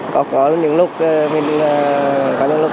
có những lúc